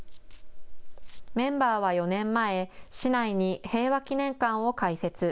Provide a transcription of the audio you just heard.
メンバーは４年前、市内に平和祈念館を開設。